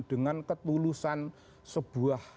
dengan ketulusan sebuah